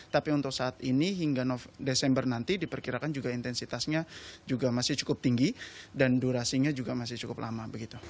tapi untuk saat ini hingga november nanti diperkirakan juga intensitasnya juga masih cukup tinggi dan durasinya juga masih cukup lama